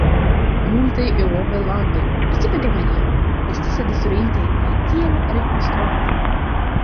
Multaj eŭropaj landoj, precipe Germanio, estis detruitaj kaj tial rekonstruataj.